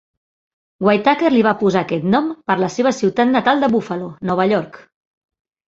Whittacker li va posar aquest nom per la seva ciutat natal de Buffalo, Nova York.